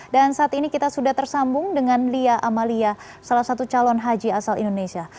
saat ini kita sudah tersambung dengan lia amalia salah satu calon haji asal indonesia